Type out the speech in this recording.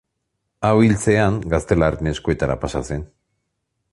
Hau hiltzean, gaztelarren eskuetara pasa zen.